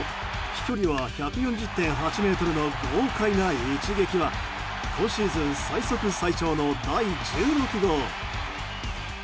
飛距離は１４０．８ｍの豪快な一撃は今シーズン最速・最長の第１６号。